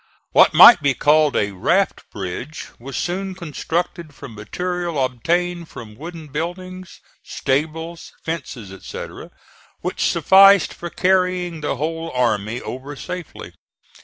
What might be called a raft bridge was soon constructed from material obtained from wooden buildings, stables, fences, etc., which sufficed for carrying the whole army over safely.